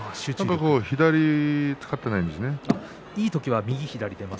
左を使っていないんですよね。